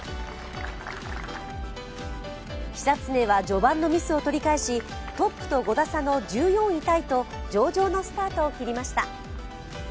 久常は序盤のミスを取り返しトップと５打差の１４位タイと上々のスタートを切りました。